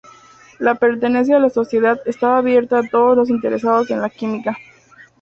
La pertenencia a la sociedad estaba abierta a todos los interesados en la química.